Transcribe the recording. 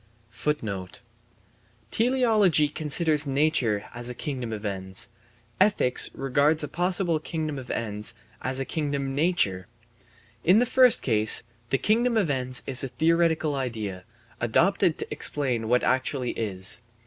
* Teleology considers nature as a kingdom of ends; ethics regards a possible kingdom of ends as a kingdom nature. In the first case, the kingdom of ends is a theoretical idea, adopted to explain what actually is.